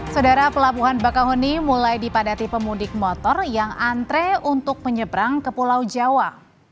saudara pelabuhan bakahuni mulai dipadati pemudik motor yang antre untuk menyeberang ke pulau jawa